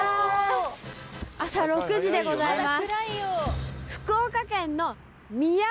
朝６時でございます。